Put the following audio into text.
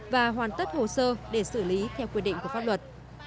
và hoàn tất hồ sơ để xử lý theo quy định của pháp luật